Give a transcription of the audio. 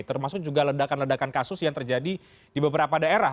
termasuk juga ledakan ledakan kasus yang terjadi di beberapa daerah